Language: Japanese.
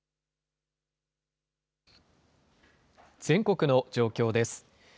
全国の状況です。